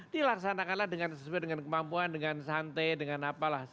dilaksanakanlah dengan sesuai dengan kemampuan dengan santai dengan apalah